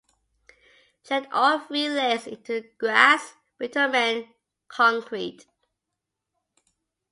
Tread all three legs into the grass, bitumen, concrete.